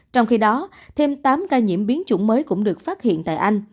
trong khi đó thêm tám ca nhiễm biến chủng mới cũng được phát hiện tại anh